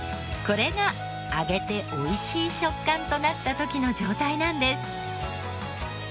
これが揚げておいしい食感となった時の状態なんです。